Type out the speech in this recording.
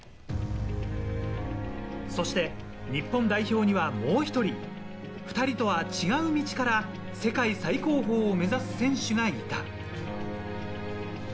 そして日本代表にはもう１人、２人とは違う道から世界最高峰を目指す選手がいた。